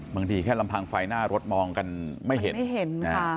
บางทีแค่ลำพังไฟหน้ารถมองกันไม่เห็น